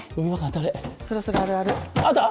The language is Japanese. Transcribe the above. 当たれそろそろあるあるあった？